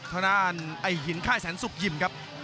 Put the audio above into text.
ทางด้านไอ้หินค่ายแสนสุกยิมครับ